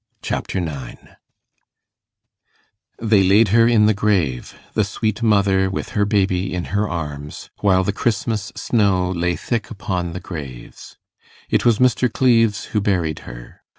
Chapter 9 They laid her in the grave the sweet mother with her baby in her arms while the Christmas snow lay thick upon the graves. It was Mr. Cleves who buried her.